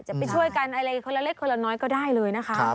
จะไปช่วยกันอะไรคนละเล็กคนละน้อยก็ได้เลยนะคะ